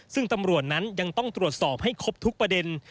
ซึ่งตำรวจนั้นยังต้องตรวจสอบให้ครบทุกประเด็น